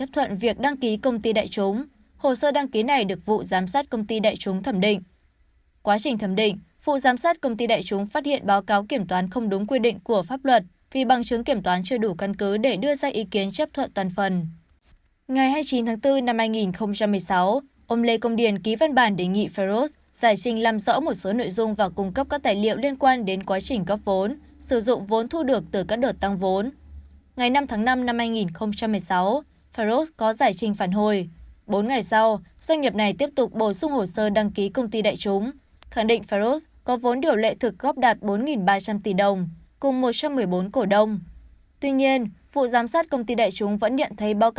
tuy nhiên vụ giám sát công ty đại chúng vẫn nhận thấy báo cáo tài chính và xác nhận kiểm toán còn nhiều mâu thuẫn